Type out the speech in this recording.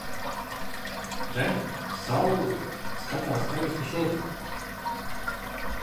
Re! Saule! Skatās taisni šurp!